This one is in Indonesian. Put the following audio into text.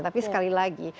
tapi sekali lagi